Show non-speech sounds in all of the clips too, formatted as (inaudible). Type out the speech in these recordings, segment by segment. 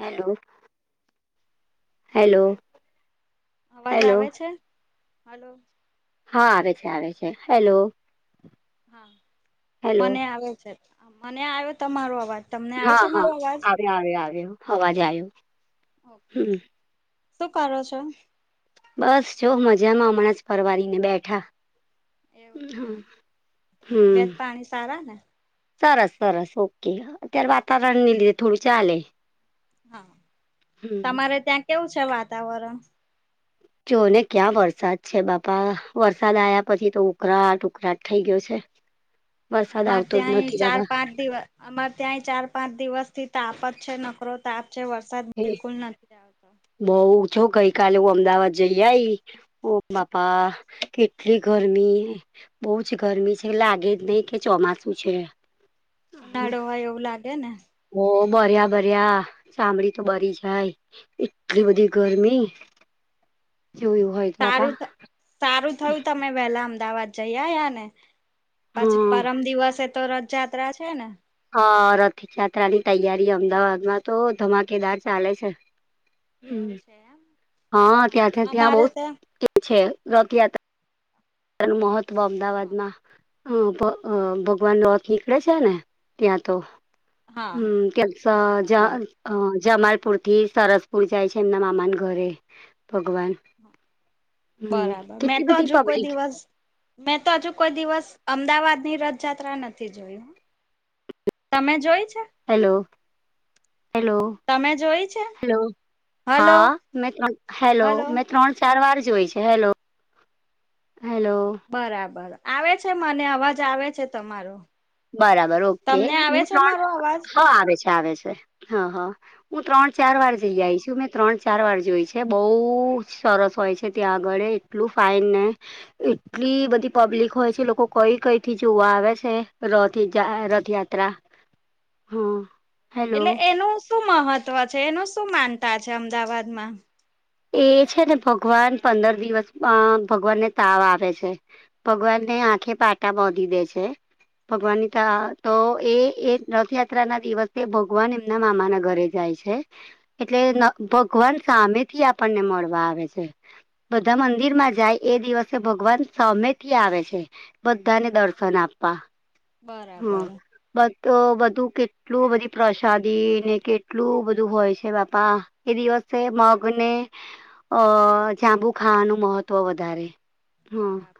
Hello, hello આવાજ hello આવેે છે, હલો હા, આવે છે, આવે છે, હેલો હા, હેલો મને આવે છે, મને આવે તમારો અવાજ તમને આવે હા છે હા મારો અવાજ આવ્યો આવ્યો અવાજ આવ્યો ઓકે હમ શું કરો છો બસ જો મજામાં હમણાં જ પરવાળીને બેઠા એવું છે હમ એમ, હમ તબિયત પાણી સારા ને સરસ સરસ ઓકે અત્યારે વાતાવરણ લીધે ચાલે. હા હમ તમારે ત્યાં કેવું છે વાતાવરણ જો ને ક્યાં વરસાદ છે બાપા વરસાદ આવ્યા પછી તો ઉકરાટ ઉકળાટ થઈ ગયો છે. વરસાદ અમારે આવતો જ ત્યાં અ નથી ચાર બાબા પાંચ દિવસ અમારે ત્યાંય ચાર પાંચ દિવસ થી તાપ જ છે નકરો તાપ છે વરસાદ બિલકુલ નથી. આવતો બઉ છો ગઈ કલે હું અમદાવાદ જઈ આઈ ઓ બાપા કેટલી ગરમી. બઉુ જ ગરમી છે લાગે જ નહી કે ચોમાસું છે. ઉનાળો હોય એવું લાગે ને. હો બર્યા બર્યા ચામડી તો બરી જાય. એટલી બધી ગરમી જોયું હોય. તો બાપા સારું સારું થયું તમે વેલા અમદાવાદ જઈ આયા ને. પછી હમ પરમ દિવસે એ તો રથયાત્રા છે ને. હ રથયાત્રા ની તૈયારી અમદાવાદમાં તો ધમાકેદાર ચાલે છે. એવું હમ. છે હ હા ત્યાંથી ત્યાં અમારે તો બહ છે રથયાત્રા. નું મહત્વ હા અમદાવાદમાં અ હા ભગવાન નોથ નીકળે છે ને ત્યાં તો હા હમ ત્યા બરાબર અ જમાલપુર થી સરસપુર જાય છે એમના મામા ના ઘરે ભગવાન. હમ બરાબર મેં કેટલી તો બધી હજુ કોઈ પબ્લિક દિવસ મેં તો હજુ કોઈ દિવસ અમદાવાદ ની રથયાત્રા નથી જોઈ. તમે જોય છે. Hello hello. તમે જોઈ છે હલો હલો હા મે્ર હેલો હલો મે ત્રણ ચાર વા જોઈ છે હેલો હેલો. બરાબર આવે છે મને અવાજ આવે છે તમારો. બરાબર ઓકે તમને આવે હું છે ત્રણ મારો અવાજ હ આવે છે આવે છે હ હ. હું ત્રણ ચાર વાર ઓકે જઈ આવી છું મે ત્રણ ચાર વાર જોઈ છે બહુ જ સરસ હોય છે ત્યાં આગળ એટલું ફાઇન ને એટલી બધી પબ્લિક હોય છે લોકો કઈ કઈ થી જોવા આવે છે. રથ રથયાત્રત્રા હમ એટલે એનું શું મહત્વ છે એનું શું માનતા છે અમદાવાદમાં. એ છે ને ભગવાન પંદર દિવસ ભગવાનને તાવ આવે છે. ભગવાનને આંખે પાટા બાધી દે છે. ભગવાન ની ત તો એ એ રથયાત્રા ના દિવસે ભગવાન એમના મામા ના ઘરે જાય છે. એટલે ભગવાન સામે થી આપણને મળવા આવે છે. બધા મંદિર માં જાય એ દિવસે ભગવાન સામેથી આવે છે. બધાને દર્શન આપવા હમ. બરાબર બ બધું કેટલું બધી પ્રસાદી ને કેટલું બધું હોય છે બાપા. એ દિવસે મા ને અ જાંબુ ખાવાનું મહત્વ વધારે. હા. બરાબર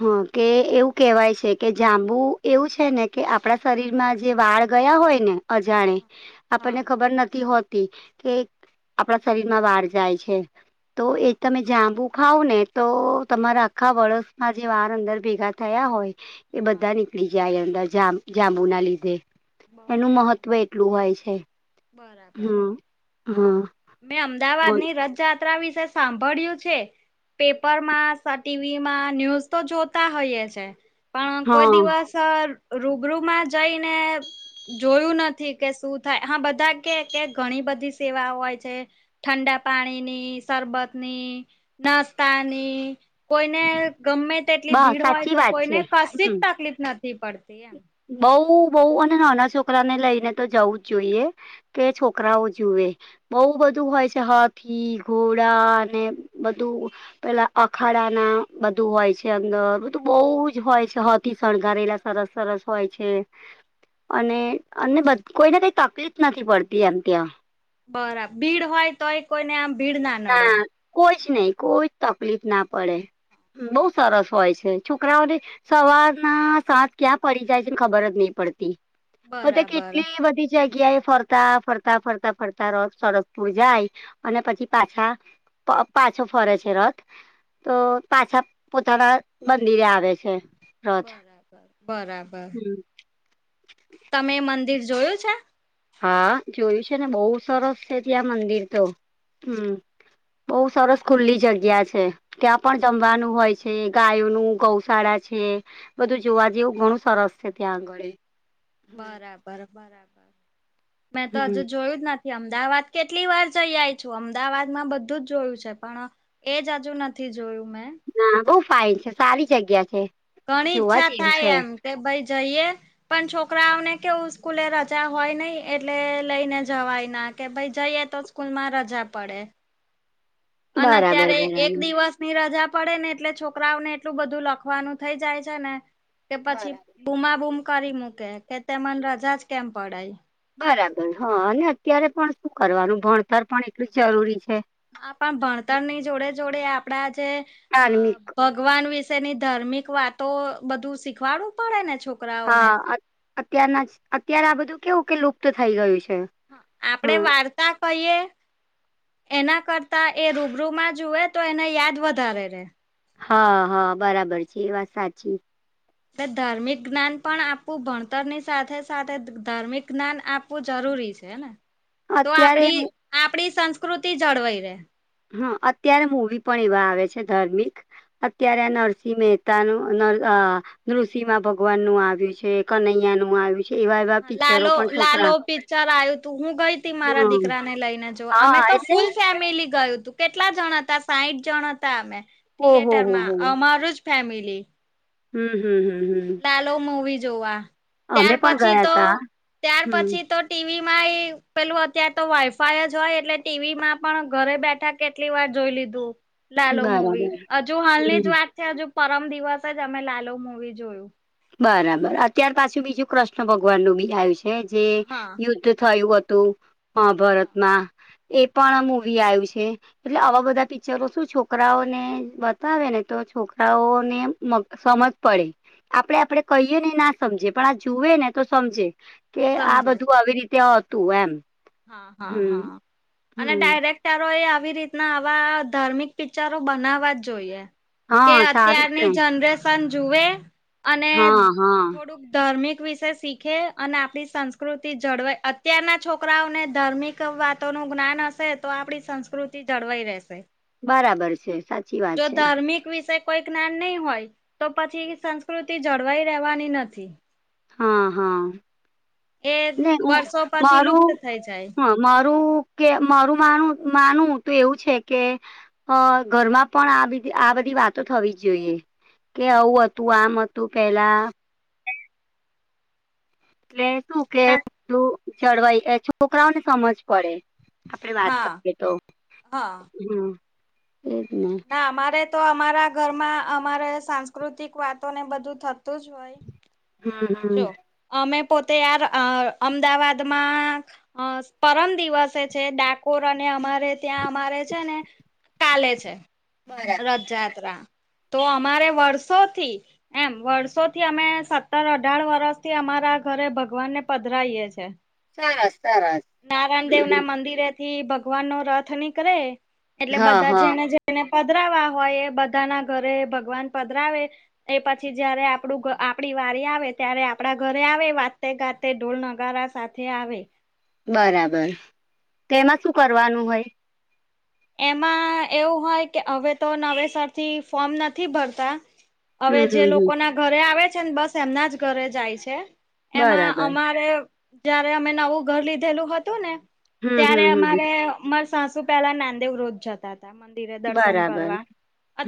હા, કે એવું કેહેવાય છે કે જાંબુ એવું છે ને કે આપણા શરીર માં જે વાળ ગયા હોય ને, અજાણે હા આપણને ખબર નથી હોતી કે આપણા શરીરમાં વાળ જાય છે, તો હા એ તમે જાંબુ ખાાવ ને, તો તમારા આખા વર્સમાં જે વાર અંદર ભેગા થયા હોય એ હા બધા નીકળી જાય એ અંદર જા જાંબુ ના લીધે. એનું બરાબર મહત્વ એટલું હોય છે બરાબર. હમ હા. મેં અમદાવાદ બોલ ની રથયાત્રા વિશે સાંભળ્યું છે. પેપર માં ટીવીમાં ન્યૂઝ તો જોતા હોઈએ છે. પણ કોઈ હા દિવસ રૂબરૂમાં જઈને જોયું નથી કે શું થાય હા બધા કે કે ઘણી બધી સેવા હોય છે. ઠંડા પાણીની, શરબત ની. નાસ્તાની કોઈને ગમે. તેટલી બસ ભીડ હોય, સાચી તો વાત કોઈને છે કશી જ હમ તકલીફ નથી પડતી, એમ. બઉ, બઉ, અને નાના છોકરા ને લઈને તો જવું જ જોઈએ. કે છોકરાઓ જુએ. બઉ બધું હોય છે, હાથી, ઘોડા અને બધું. પેલા અખાડા ના બધું હોય છે અંદર. બધું બહુ જ હોય છે, હાથથી શણગારેલા. સરસ, સરસ. હોય છે, અને અને કોઈને કઈ તકલીફ નથી પડતી, એમ ત્યાં. બરાબર ભીડ હોય, તોય કોઈને આમ ભીડ નડે ના, કોઈ જ નહીં, કોઈ તકલીફ ના પડે. બઉુ સરસ હોય છે, છોકરાઓને. સવારના સાજ ક્યાં પડી જાય છેને, ખબર જ નહીં પડતી. બધા બરાબર. કેટલી બધી જગ્યા એ ફર ફરતા, ફરતા, ફરતા, ફરતા રસ્તા સડદપુર જાય, અને પછી પાછા, પાછો ફરે છે રથ. તો પાછા પોતાના મંદિરે આવે છે. રથ બરાબર, બરાબર. હમ તમે મંદિર જોયું છે? હા, જોયું છે ને. બહુ સરસ છે ત્યાં મંદિર તો, હમ. બહુ સરસ ખુલ્લી જગ્યા છે. ત્યાં પણ જમવાનું હોય છે. ગાયોનું ગૌશાળા છે. બધું જોવા જેવું, ઘણું સરસ છે ત્યાં આગળ. બરાબર, બરાબર. મેં તો હમ હજુ જોયું નથી. અમદાવાદ કેટલી વાર જઈ આવ્યા છો. અમદાવાદ માં બધું જ જોયું છે, પણ એજ હજુ નથી જોયું મેં. ના, બહુ ફાઇન છે. સારી જગ્યા છે. ઘણી જોવા ઈચ્છા જેવી થાય, છે એમ કે, ભાઈ જઈએ. પણ છોકરાઓને, કેવું, સ્કૂલે રજા હોય નહીં, એટલે લઈને જવાય ના કે, ભાઈ જઈએ તો સ્કૂલમાં રજા પડે. અને બરાબર અત્યારે એક બરાબર દિવસ ની રજા પડે ને, એટલે છોકરાઓને એટલું બધું લખવાનું થઈ જાય છે ને કે, પછી બરાબર. બુમા-બૂમ કરી મૂકે કે, તે મને રજા જ કેમ પડે? બરાબર. હ, અને અત્યારે પણ શું કરવાનું, ભણતર પણ એટલું જ જરૂરી છે. હા, પણ ભણતર ની જોડે જોડે, આપડા જે ધાર્મિક ભગવાન વિશેની ધાર્મિક વાતો, બધું શીખવાડવું પડે ને, છોક હા, અત્યારના અત્ય્યારે, આ બધું કેવું કે, લુપ્ત થઈ ગયું છે. આપણેે હમ વાર્તા. પહી એના કરતા, એ રૂબરૂમાં જુવે, તો એને યાદ વધારે રે હા, હા, બરાબર છે. એ વાત સાચી. ને ધાર્મિક જ્ઞાન પણ આપવું ભણતરની સાથે સાથે ધાર્મિક જ્ઞાન આપવું જરૂરી છે, ને તો અત્યારે આપડી આપડી સંસ્કૃતિ જળવાઈ રે હ અત્યારે મુવી પણ એવા આવે છે, ધાર્મિક અત્યારે નરસિંહ મહેતા (unintelligible) ઋષિમા ભગવાન નું આવ્યું છે, કનૈયા નું આવ્યું છે. એવા એવા પિક્ચરો લાલો પણ લાલો છોકરા પિક્ચર આવ્યું તું. હું ગઈ તી મારા હમ દીકરાને લઈને, જો અમે હા તો એટલે ફૂલ ફેમિલી ગયું તું. કેટલા જણ હતા? સાઈઠ જણ હતા. અમે ઓહો થિયેટર હો માં, હો અમારું જ ફેમિલી. હમ, હમ, હમ, હમ. ચાલો, મૂવી જોવા. ત્યાર અમે પણ પછી ગયા તો, તા ત્યાર હમ પછી તો ટીવીમાં એ પેલું અત્યારે તો વાઈફાય જ હોય એટલે ટીવીમાં પણ ઘરે બેઠા કેટલી વાર જોઈ લીધું લાલો મૂવી બરાબર હજુ હાલની જ હમ વાત છે, હજુ પરમ દિવસ જ અમે લાલો મૂવી જોયું બરાબર અત્યાર પાછી બીજું કૃષ્ણ ભગવાનનું બી આયું છે. જે હા યુદ્ધ થયું હતું હા મહાભારતમાં એ પણ મૂવી આયું છે. એટલે આવા બધા પિક્ચરો શું છોકરાઓને બતાવે ને તો છોકરાઓને મ સમજ પડે આપડે આપડે કહીએ ને ના સમજે પણ આ જુએ ને તો સમજે કે આ સમજે. બધું આવી રીતે હતું એમ હા હા હમ હા અને હમ ડાયરેક ટરોએ આવી રીતના આવા ધાર્મિક પિક્ચરો બનાવવા જ જોઈએ કે હા સારું છે અત્યારની જનરેશન જુએ અને હા હા થોડુંક ધાર્મિક વિષય શીખે અને આપણી સંસ્કૃતિ જળવાય અત્યારના છો કરાઓને ધાર્મિક વાતોનું જ્ઞાન હશે તો આપણી સંસ્કૃતિ જળવાઈ રહેશે બરાબર છે, સા જો ધામિર્ક વિષે કોઈ જ્ઞાન નહી હોય તો પછી સંસ્કૃતિ જળવાઈ રહેવાની નથી હા હા એ ને હું વર્ષો પછી મારું લુપ્ત થઈ જાય. હા મારું કે મારું માનું માનું તો એવું છે, કે હ ઘરમાં પણ આ બજી આ બધી વાતો થવી જ જોઈએ કે આવું હતું આમ હતું પેલા એટલે શું કે બધું જળવાઈ એ છોકરાઓને સમજ પડે આપડે વાત હા કરીએ તો હા હમ એજ ને ના અમારે તો અમારા ઘરમાં અમારે સાંસ્કૃતિક વાતો ને બધું થતું જ હોય હમ હમ. જો અમે પોતે યાર અ અમદાવાદમાં અ પરમ દિવસે છે, ડાકોર અને અમારે ત્યાં અમારે છે, ને કાલે છે. બરા રથયાત્રા તો અમારે વર્ષોથી એમ વર્ષોથી અમે સત્તર અઢાર વર્ષથી અમારા ઘરે ભગવાનને પધરાઈએ છે. સારસ સારસ નારાયણ દેવના મંદિરેથી ભગવાનનો રથ નીકળે એટલે હા બધા હા જેને જે તેને પધરાવા હોય એ બધાના ઘરે ભગવાન પધરાવે એ પછી જયારે આપડું આપડી વારી આવે ત્યારે આપડા ઘરે આવે વાતે ગા તે ઢોલ નગારા સાથે આવે બરાબર તેમાં શું કરવાનું હોય? એમાં એવું હોય કે અવે તો નવેસરથી ફોર્મ નથી ભરતા અવે હમ જે હમ હમ લોકોના ઘરે આવે છે, ન બસ એમનાજ ઘરે જાય છે. એમાં બરાબર અમારે જયારે અમે નવું ઘર લીધેલું હતું ને હમ ત્યારે હમ હમ અમારે અમારે સાસુ પેલા નાનદેવ રોધ જતા હતા મંદિરે દર્શન બરાબર કરવા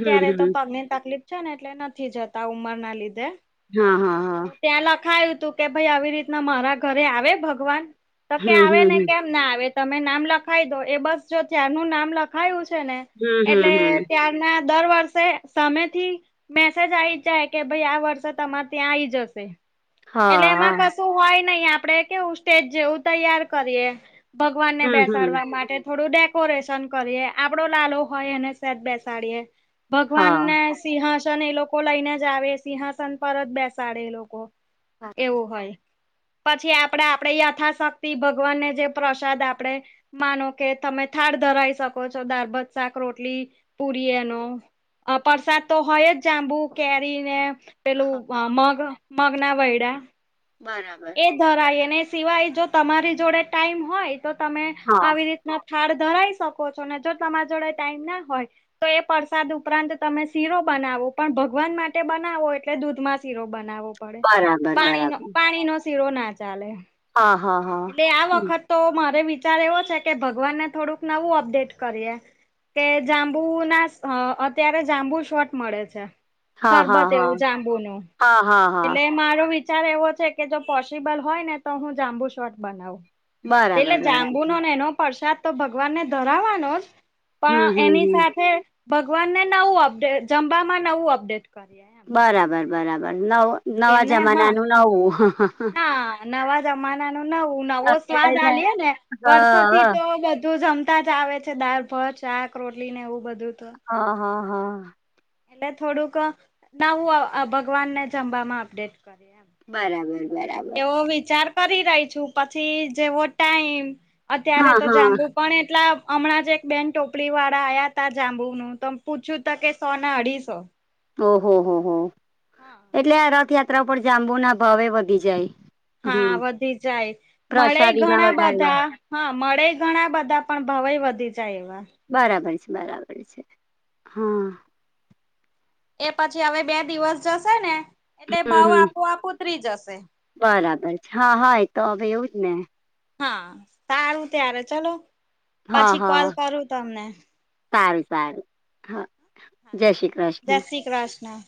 હમ તો હમ પગની તકલીફ છે ને એટલે નથી જતા ઉંમરના લીધે હા હા હા તો ત્યાં લખાયું તું કે ભાઈ આવી રીતના મારા ઘરે આવે ભગવાન તો કે હમ આવે હમ ને હમ કે ના આવે તમે નામ લખાવી દો એ બસ જો તયાનું નામ ખાયું છે, ને હમ એટલે હમ હમ ત્યારના દર વર્ષે સામેથી મેસેજ આવી જાય કે ભાઈ આ વર્ષે તમારે ત્યાં આઈ જશે એટલે હા એમાં કશું હોય નહિ આપડે કેવું સ્ટેજ જેવું તૈયાર કરીએ ભગવાનને હમ હમ બેસાડવા માટે થોડું ડેકોરેશન કરીએ આપડો લાલો હોય એને સેદ બેસાડીએ હા ભગવાનને સિંહાસન એ લોકો લઈને જ આવે સિંહાસન પરત બેસાડે એ લોકો બરા- એવું હોય પછી આપણેે આપણેે યથાશક્તિ ભગવાનને જે પ્રસાદ આપડે માનો કે તમે થાળ ધરાઈ શકો છો દાળભાત શાક રોટલી પુરી એનો અ પરસાદ તો હોય જ જાંબુ કેરીને પેલું હા માગ માગ ના વૈડા બરાબ એ ધરાય ને એ સિવાય જો તમારી જોડે ટાઈમ હોય તો તમે હા આવી રીતે થાડ ધરાઈ શકો છો ને જો તમારા જોડે ટાઈમ ના હોય તો એ પરસાદ ઉપરાંત તમે શીરો બનાવો પણ ભગવાન માટે બનાવો એટલે દૂધમાં શીરો બનાવવો પડે બરાબર પાણી બરાબર પાણીનો શીરો ના ચાલે આ હા હા હા એટલે આ હમ. વખત તો મારે વિચાર એવો છે કે ભગવાનને થોડુંક નવું અપડેટ કરીએ કે જાંબુ ના અત્યારે જાંબુ શોટ મળે છે હા સરબત હા હા એવું જાંબુનુ હા હા હા એટલે મારો વિચ વિચાર એવો છે કે જો પોસિબલ હોય ને તો હું જાંબુ શોર્ટ બનાવું એટલે બરાબર જાંબુ બરાબર નો ને એનો પરસાદ તો ભગવાનને ધરાવાનોજ હમ પણ હમ એની હમ સાથે ભગવાનને નવું અપડેટ જમબામાં નવું અપડેટ કરીએ એમ. બરાબર બરાબર નવ નવા એમને હા જમાનાનું નવું હા નવા જમાના નુ નવું નવો સ્વાદ આલીએ ને હા વર્ષોથી હા તો બધું જમ બતાજ આવે છે દાળ ભાત શાક રોટલી ને એવું બધું તો હા હા હા એટલે થોડુંક નવું ભગવાનને જમવામાં અપડેટ કરીએ એમ બરાબર બરાબર તો વિચાર કરી રહી છું પછી જેવો ટાઈમ અત્યારે હા તો હા જાંબુ પણ એટલા હમણાં જ એક બેન ટોપલી વાળા આયા હતા જાંબુનુંું તો પૂછ્યું ત કે સોના અઢીસો ઓહો હો હો હા. એટલે આ રથયાત્રા પર જાંબુના ભાવે વધી જાય હમ હા વધી જાય મળે પ્રસાદીમાં ઘણા વધારે લે. બધા હા મળે ઘણા બધા પણ ભાવેય વધી જાય એવા બરાબર છે બરાબર છે હા એ પછી અવે બે દિવસ જશે ને એટલે ભાવો હમ આપોઆપ ઉતરી જશે બરાબર છે હા હા તો અવે એવુંજ ને હા સારું ત્યારે ચલો હા પછી હા કોલ કરું તમને સારું સારું હા જય શ્રી કૃષ્ણ ક્રાસના